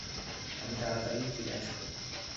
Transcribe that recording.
আমি তারাতারিই ফিরে আসবো।